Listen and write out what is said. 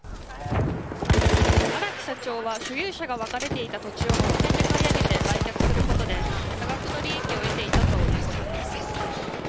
荒木社長は所有が分かれていた土地をまとめて買い上げて売却することで、多額の利益を得ていたということです。